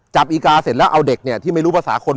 จับอีกาเสร็จแล้วเอาเด็กเนี่ยที่ไม่รู้ภาษาคน